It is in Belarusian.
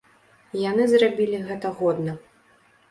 Яны зрабілі гэта годна.